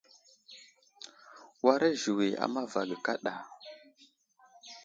Wara ziwi a mava ge kaɗa.